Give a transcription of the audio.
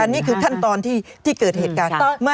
นี่คือขั้นตอนที่เกิดเหตุการณ์